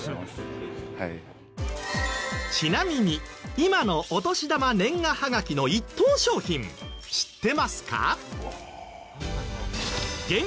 ちなみに今のお年玉年賀はがきの１等賞品知ってますか？